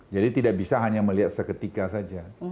jadi tidak bisa hanya melihat seketika saja